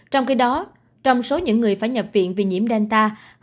trong khi đó trong số những người phải nhập viện vì nhiễm delta